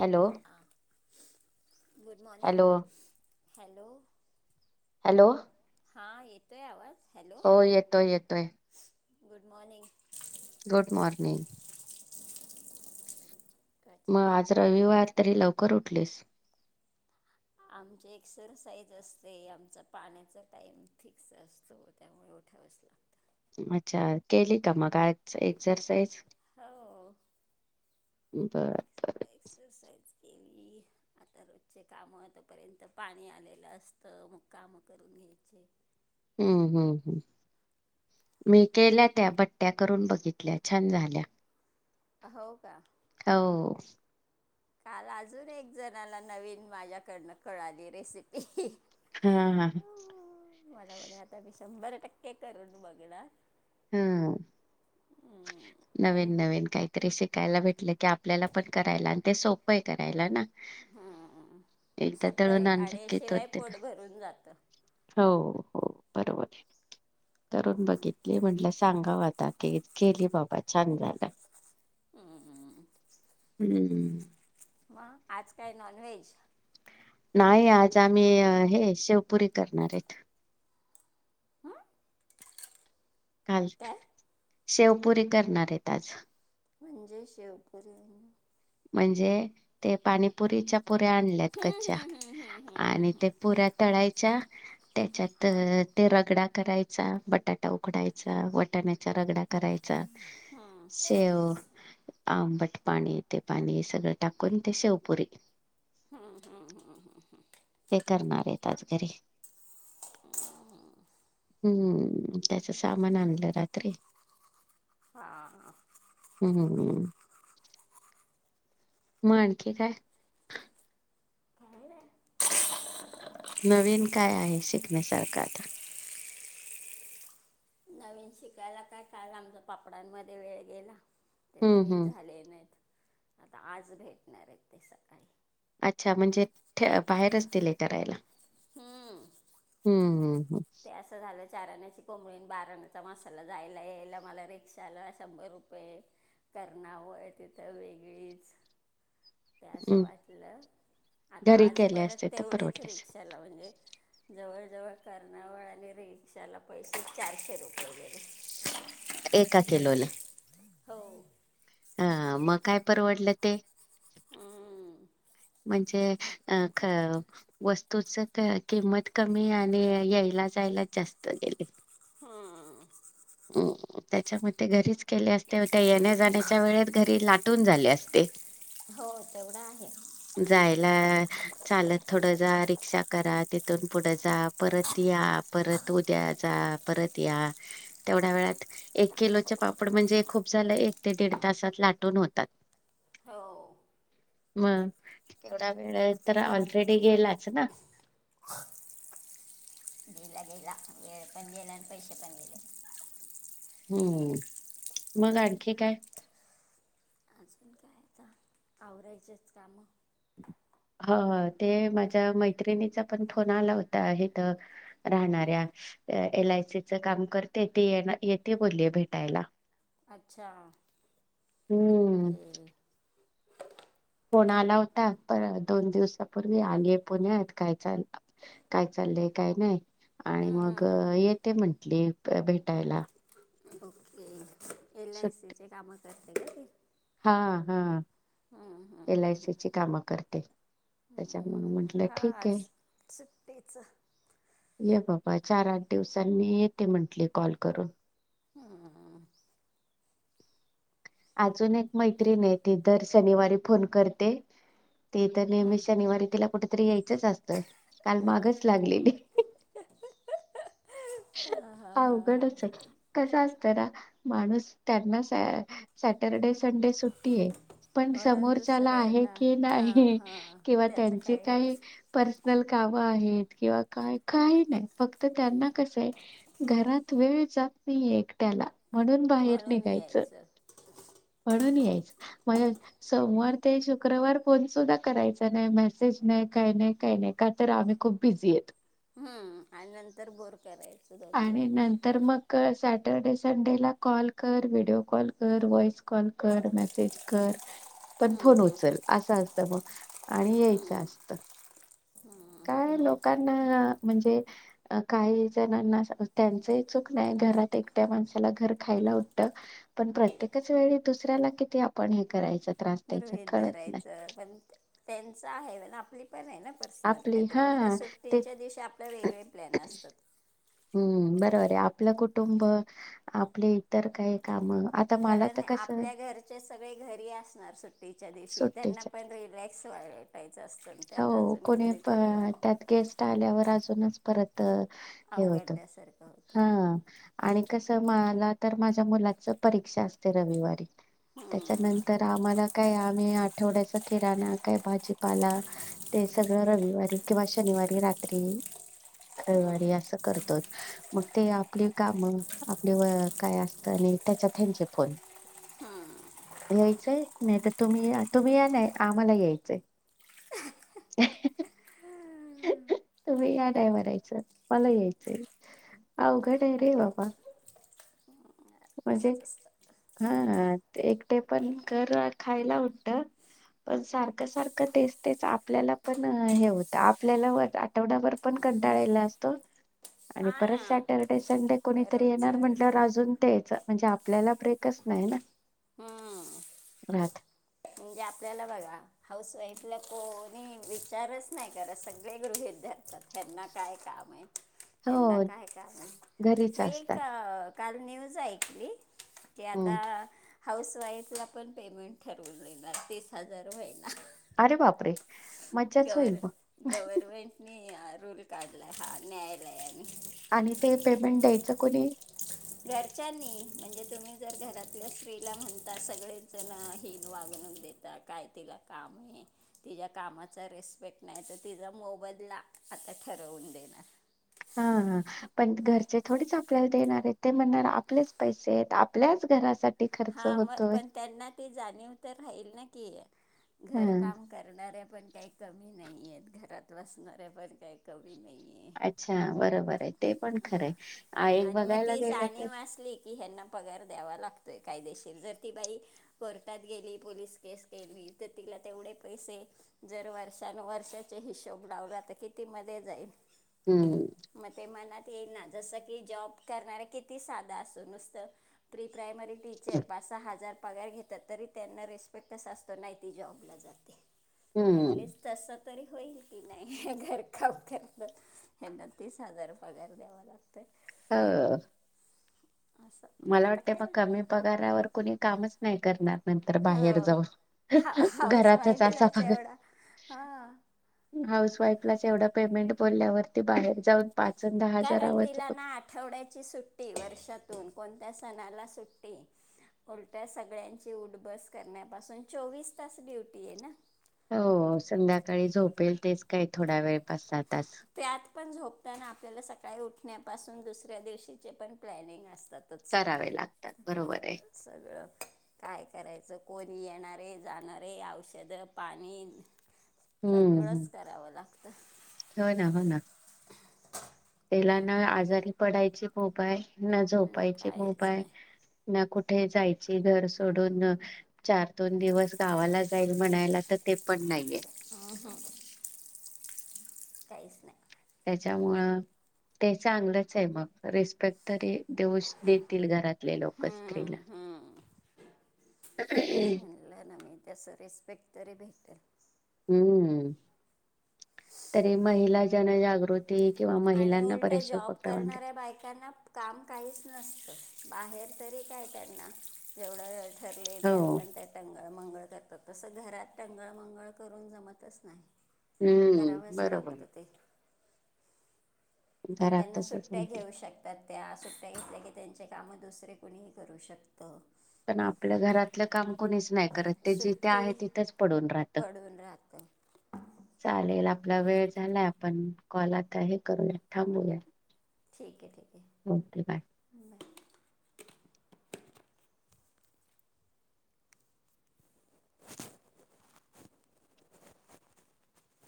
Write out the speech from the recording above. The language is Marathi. हॅलो हां good morning hello! Hello! Hello. हा येतोय आवाज. हॅलो हो येतोय, येतोय. Good morning. Good morning. काय मग चाललं आहे आज रविवार तरी लव कर उठलेस? आमची एक्सरसाइज असते, आमचा पाण्याचा टाइम फिक्स असतो त्यामुळे उठावचं लागतं. अच्छा केली का मग एक्सरसाइज? हो बर, एक्स बर. एक्सरसाइज केली. आता रोजचे काम होईपर्यंत पाणी आलेलं असतं मग काम करून घ्यायचे. हम्म, हम्म, हम्म. मी केल्या त्या बट्ट्या करून बघितल्या छान झाल्या. हो, का? हो. काल अजून एक जणाला नवीन माझ्याकडनं कळाली रेसिपी ही. हा, हा. मला म्हणे आता मी शंभर टक्के करून बघणार. हम्म. हम्म. नवीन, नवीन काहीतरी शिकायला भेटलं की, आपल्याला पण करायला आणि ते सोपं आहे करायला ना. हम्म एकदा सोपं दळून आहे आणलं आणि दोन, शिवाय तीन पोट भरून जातं. हो. हो बरोबर आहे. करुन हम्म बघितली म्हटलं सांगाव आता क केली बा पण छान झालं. हम्म. हम्म. मग आज काय नॉन व्हेज? नाही आज आम्ही हे शेवपुरी करणार येत. हं काल काय शेवपुरी करणार येत आज. म्हणजे शेव पुरी म्ह म्हणजे ते पाणीपुरीच्या पुऱ्या आणल्यात कच्च्या हम्म हम्म हम्म आणि ते पुऱ्या तळाय च्या त्याच्यात हम्म हम्म हम्म हम्म हा ते रगडा करायचा, बटाटा उकडायचा, वटाण्याचा रगडा करायचा. शेव आंबट पाणी ते पाणी सगळं टाकून ते शेवपुरी हम्म, हम्म, हम्म, हम्म, हम्म. ते करणार येत आज घरी. हम्म. हम्म, त्याचं सामान आणलं रात्री. हा हा हम्म म अनकी काय काय रे नवीन काय आहे शिकण्यासारखं आता नवीन शिकायला काय काल आमचा पापडांमध्ये वेळ गेला ते हम्म तरी हम्म झाले नाहीत आता आज भेटणार आहेत ते सकाळी अच्छा म्हणजे बाहेरच दिलय करायला हम्म हम हम ह ते असं झालं चारण्याची कोंबळीन बाराण्याचा मसाला जायला यायला मला रिक्षाला शंभर रुपये करणावंळ तिथं वेगळीच ते असं हम्म. वाटलं आता घरी आज केले परत असते तर तेवढेच परवडले असते. रिक्षाला म्हणजे जवळ जवळ पास [unintelligible] कणावळने रिक्षाला पैसे चारशे रुपये गेले एका केलोला हो अ मग काय परवडलं ते हम्म, म्हणजे अ ख वस्तूच किंमत कमी आणि यायला जायला जास्त गेली हम्म, हो त्याच्यामध्ये घरीच केले असते त्या येण्या जाण्याच्या वेळेस घरी ला दोन झाले असते हो तेवढं आहे जायला चालत थोडं जा रिक्षा करा तिथून पुढं जा परत या परत उद्या जा परत या तेवढ्या वेळात एक किलोचे पापड म्हणजे खूप झालं एक ते दीड तासात लाटून होतात हो मग तेवढा वेळ तर ऑलरेडी गेलाच ना ळ पणला आणि पैसे पणले हम्म मग आणखी काय अजून काय आवरायचेच काम ह ते माझ्या मैत्रिणीचा पण फोन आला होता इथ राहणाऱ्या एल आयसीच काम करते ते येते बोलली भेटायला अच्छा हम्म ओके फोन आला होता पण दोन दिवसापूर्वी आलीय पुण्यात काय चाल काय चाललंय काय नाही आणि मग ये ते म्हंटले भेटायला ओके एल आय सुट- सी चे काम [inaudible] हा हा एल आयसीची कामं करते त्याच्यामुळे म्हंटलं ठीक आहे पिझ्झा ये बाबा चार आठ दिवसांनी येते म्हंटले कॉल करून [inaudible] अजून एक मैत्रीण ये ती दर शनिवारी फोन करते. ते तर नेहमी शनिवारी तिला कुठेतरी यायचंच असतं, काल मागच लागलेली. हा हा हा हा आवगडचाय कस अस [unintelligible] माणूस त्यातन सॅ सॅटर्डे स संडे सुट्टी ये पण म्हणून समोरच्याला आहे दुसऱ्यांना की हा नाही हा किंवा त्यांचे काय पर्सनल काम व आहेत किंवा काय काय नाई, फक्त त्यांना कस आय, घरात वेळ जात नाहीये एकट्याला म्हणून बाहेर म्हणून निघायचं, यायचं म्हणून यायचं, म [unintelligible] सोमवार ते शुक्रवार फोन सुद्धा करायचा नाही, मेसेज नाही, काय नई, काय नई, का तर आम्ही खूप बिजि येत. हम्म आणि नंतर बोर करायचं दोन दिवस आणि नंतर मक सा टरडे संडे ला कॉल कर, व्हिडिओ कॉल कर, व्हॉइस कॉल कर, मेसेज कर. पण हम्म, फोन हम्म, उचल असं असतं मग आणि यायचं असत. हम्म, काय हम्म, हम्म. लोकांना म्हणजे अ काही जणांना अस, त्यांचही चूक नाही घरात एकट्या माणसाला घर खायला उठत, पण प्रत्येकच वेळी दुसऱ्याला किती आपण हे करायचं. गृहित धरायचं, पण त्यांच आहे इव्हण आपली पण आय ना, पर्सनल आपली कायतर हा उलट ते सुट्टीच्या दिवशी आपल वेगळे प्लॅन असतात. अ आपलं कुटुंब, आपली इतर काही कामं आता मला तर कारण कसं आपल्या घरचे सगळे घरी असणार, सुट्टीच्या दिवशी त्यांना सुट्टीच्या पण रिलॅक्स वा हो कोणी त येऊन त्यात गेस्ट आल्यावर अजू नच परत त हे होत अवघडल्यासारखं होतं हा आणि कस मला तर माझ्या मुलाचं परीक्षा असते रविवारी हम्म, त्याच्यानंतर आम्हाला काय आम्ही [unintelligible] थोडसं किरान्यात काय भाजीपाला ते सगळं रविवारी किंवा शनिवारी रात्री रविवारी असं करतोत, मग ते आप पली काम आपले व काय असत आणि त्याच्यात ह्यांचे फोन, यायचंय नाही तर तुम्ही या, तुम्ही या नाइ आम्हाला यायचंय. [inaudible] तुमी या टायमात यायचं, मला यायचय, अवघड ये रे बाबा म्हजे तसंच असतं हा ते एकट पण घर खायला उटत, पण सारखं सारखं तेच तेच आपल्याला पण हे होतं आपल्याला व आठवडा भर पण कंटाळेला असतो आणि हा परत ना सॅट टरडे संडे कोणीतरी रोज येणार जर म्हणल्यावर आजून यायचं म्हणजे आपल्याला ब्रेकच नाही हम्म राहत. म्हणजे आपल्याला बघा हाऊसवाईफला कोणी विचारस नाही करत, सगळे गृहीत धरतात त्यांना काय काम हाय. हेना हो काय काम हाय घरीच मी एक असतात काल न्युज ऐकली. ते हम्म. आता. हाऊस वाईफ ला पण पेमेंट ठरवून नये तीस हजार होई ना. अरे बापरे. मज्जाच गवर होईल मग गव्हर्मेंट नी आ रूल काडला हा न्यायालयाने. आणि ते पेमेंट द्यायचं कोणी. घरच्यांनी म्हणजे तुम्ही जर घरातल्या स्त्रीला म्हणता सगळेच जण हिन वागणू देता काय तिला काम आहे, तिच्या कामाचा रिस्पेक्ट नाही तर तिचा मोबदला आता ठरवून देणार. हा हा पण घरचे थोडीच आपल्याला देणार आहेत ते म्हणणार आपलेच पैसे आहेत आपल्याच घरासा हा म पण त्यांना ते जाणीव तर राहील नाही की हा घर काम करणार आहे पण काही कमी नाही आहेत घरात बसणाऱ्या पण काय कमी नाही आहे अच्छा बरोबर आहे ते पण खरं आहे [unintelligible] आणि मग बघायला ती गेलं तर जाणीव असली की ह्यांना पगार द्यावा लागतोय कायदेशीर जर ती बाई कोर्टात गेली पोलीस केस केली तर तिला तेवढे पैसे जर वर्षानुवर्षाचे हिशोब लावला त कितीमध्ये जाईल? हम्म म ते मनात ते ना जसं की जॉब करणारे किती साधा असो नुसतं प्री प्रायमरी टीचर पाच सहा हजार पगार घेत्यात तरी त्यांना रीस्पेक्ट कसा असतो नाही ती जॉबला जाते. हम्म अटलिस्ट तस तरी होईल की नाही हे घर काम करतात हेना तीस हजार पगार द्यावा लागतोय. हा असं पण मला आता वाटतंय म काय कमी पगारावर कुणी कामच नाही करणार नंतर हो बाहेर जाऊ हा हाऊस घरातच असा वाईफलाच पगार एवढा हा हाऊस वाईफ आपलाच एवढा पेमेंट बोलल्यावरती बाहेर जाऊन पाच अन् दहा कारण हजारावर तिला ना आठवड्याची सुट्टी वर्षात कोणत्या सणाला सुट्टी उलट्या सगळ्यांची उठ बस करण्यापासून चोवीस तास ड्युटी हे ना. हो संध्याकाळी झोपेल तेच काय थोडा वेळ पाच सात त्यात पण झो पताना आपल्याला सकाळी उठण्यापासून दुसऱ्या दिवशीचे पण प्लॅनिंग असत. तातच करावे लागतात बरोबर आहे सगळं काय करायचं कोण येणारे, जाणारे, औषध, पाणी हम्म हम्म. सगळंच करावं लागतं. हो ना हो ना. तेला ना त्यामुळं आजारी पडायची ची फोफ आहे ना हम्म, झोपायची काहीच भोपाय नाही ना कुठ कुठे जायची घर सोडून चार दोन दिवस गावाला जाईल म्हणायला तर ते पण नाहीये. ह ह काहीच नाही. त्याच्यामुळ ते चांगलंच आहे मग रिस्पेक्ट तरी देऊश देतील घरातले लोक हम्म, स्त्रीला हम्म. तेच म्हणलं ना मी तस रिस्पेक्ट तरी भेट ते हम्म तरी महिला जनजागृती किंवा आणि महिलांना उलट बरेचसे जॉब उपक्रम आणले करणाऱ्या बायकांना काम काहीच नसतं बाहेर तरी काय त्यांना जेवढं ठरले त्यात हो पण त्या टंग मंगळ तसं घरात टंगळ मंगळ करून जमतच नाही. हम्म करावंच बरोबर. लागतं ते आणि घरात त्यांना तसच सुट्ट्या म्हणते घेऊ शकतात त्या सुट्ट्या घेतल्या त्यांचे कामं दुसरे कुणीही करू शकतं. पण आपलं घरातलं काम कणीच नाही करत ते जिथे सुट्टी आहे तिथेच पडून राहत. पडून राहतं चालेल आपला वेळ झालाय आपण कॉल आता हे करूया थांबूया. ठीक आहे ठीक आहे. Okay bye. बाय